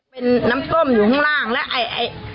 เป็นน้ำต้มอยู่ข้างล่างแล้วไอ้